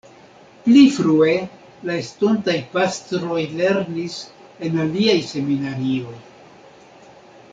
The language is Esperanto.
Pli frue la estontaj pastroj lernis en aliaj seminarioj.